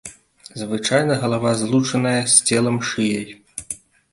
Звычайна галава злучаная з целам шыяй.